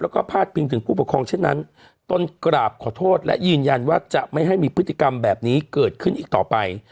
แล้วก็พาดพิงถึงผู้ปกครองเช่นนั้นตนกราบขอโทษและยืนยันว่าจะไม่ให้มีพฤติกรรมแบบนี้เกิดขึ้นอีกต่อไป